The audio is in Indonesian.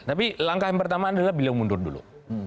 tapi langkah yang pertama adalah beliau mundur dulu